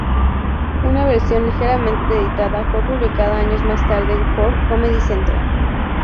Una versión ligeramente editada fue publicada años más tarde por Comedy Central.